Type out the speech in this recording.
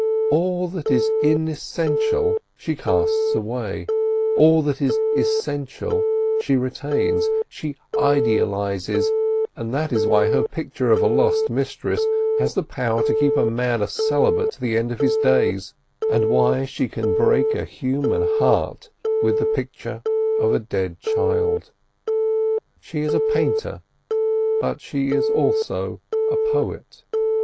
All that is inessential she casts away, all that is essential she retains; she idealises, and that is why her picture of a lost mistress has had power to keep a man a celibate to the end of his days, and why she can break a human heart with the picture of a dead child. She is a painter, but she is also a poet.